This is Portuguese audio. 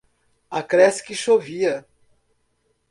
Acresce que chovia